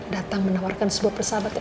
datang menawarkan sebuah persahabatan